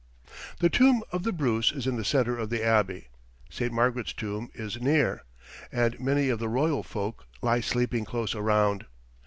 "] The tomb of The Bruce is in the center of the Abbey, Saint Margaret's tomb is near, and many of the "royal folk" lie sleeping close around.